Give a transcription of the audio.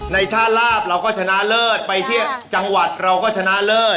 ท่าลาบเราก็ชนะเลิศไปที่จังหวัดเราก็ชนะเลิศ